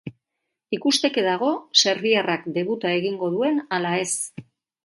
Ikusteke dago serbiarrak debuta egingo duen ala ez.